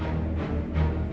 yang telah membunuhku